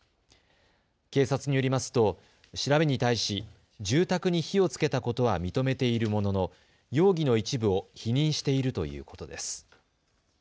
警察によりますと調べに対し住宅に火をつけたことは認めているものの容疑の一部を否認しているということです。